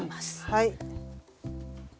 はい。